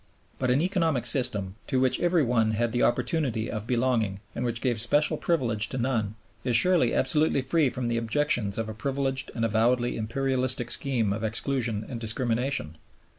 But an economic system, to which every one had the opportunity of belonging and which gave special privilege to none, is surely absolutely free from the objections of a privileged and avowedly imperialistic scheme of exclusion and discrimination.